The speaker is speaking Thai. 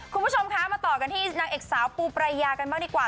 คุณผู้ชมคะมาต่อกันที่นางเอกสาวปูปรายากันบ้างดีกว่า